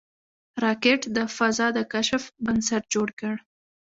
راکټ د فضا د کشف بنسټ جوړ کړ